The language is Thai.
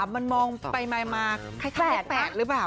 ๓มันมองไปมา๘หรือเปล่า